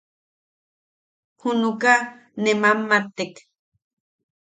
Junuka ne mammattek.